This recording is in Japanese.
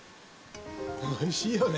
おいしいよね。